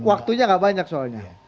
waktunya gak banyak soalnya